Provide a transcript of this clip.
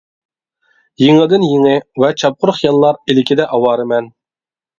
يېڭىدىن يېڭى ۋە چاپقۇر خىياللار ئىلكىدە ئاۋارىمەن.